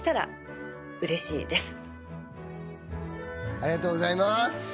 ありがとうございます。